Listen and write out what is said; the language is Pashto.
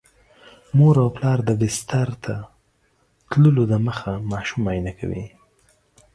مور او پلار د بستر ته تللو دمخه ماشوم معاینه کوي.